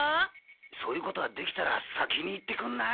そういうことはできたら先に言ってくんない？